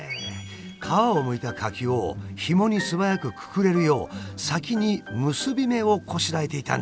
皮をむいた柿をひもにすばやくくくれるよう先に結び目をこしらえていたんですね。